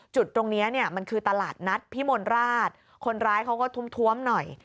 จุดตรงนี้เนี่ยมันคือตลาดนัดพิมลราชคนร้ายเขาก็ทุ่มท้วมหน่อย